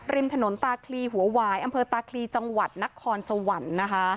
ริมถนนตาคลีหัวหวายอำเภอตาคลีจังหวัดนครสวรรค์นะคะ